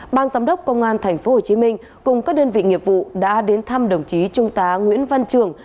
ban giám đốc công an tp hcm cùng các đơn vị nghiệp vụ đã đến thăm đồng chí trung tá nguyễn văn trường